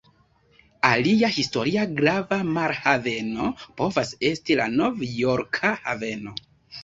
Alia historia grava marhaveno povas esti la Novjorka Haveno.